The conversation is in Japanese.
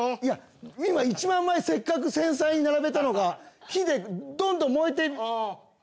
いやいま１万枚せっかく繊細に並べたのが火でどんどん燃えて。